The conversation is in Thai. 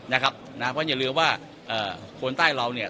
นะครับนะเพราะอย่าลืมว่าเอ่อคนใต้เราเนี่ย